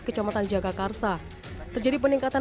kecamatan jagakarsa terjadi peningkatan